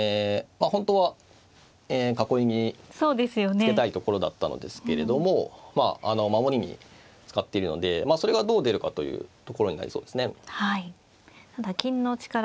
本当は囲いにつけたいところだったのですけれどもまあ守りに使ってるのでそれがどう出るかというところになりそうですね。